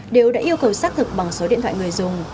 đều đã yêu cầu xác thực bằng số điện thoại người dùng